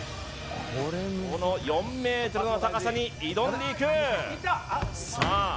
この４ｍの高さに挑んでいくさあ